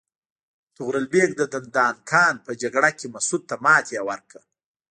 طغرل بیګ د دندان قان په جګړه کې مسعود ته ماتې ورکړه.